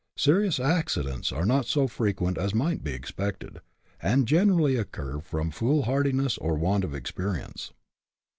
Serious accidents are not so frequent as migiit be expected, and generally occur from fool hardiness or want of experience.